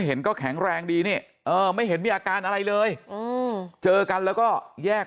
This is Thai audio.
เห็นก็แข็งแรงดีนี่ไม่เห็นมีอาการอะไรเลยเจอกันแล้วก็แยก